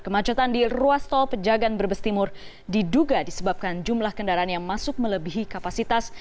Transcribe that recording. kemacetan di ruas tol pejagaan berbestimur diduga disebabkan jumlah kendaraan yang masuk melebihi kapasitas